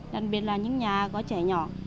đặc biệt là những nhà có trẻ nhỏ